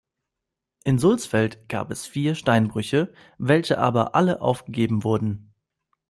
In Sulzfeld gab es vier Steinbrüche, welche aber alle aufgegeben wurden.